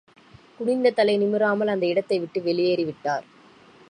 குனிந்த தலை நிமிராமல் அந்த இடத்தை விட்டு வெளியேறிவிட்டார்.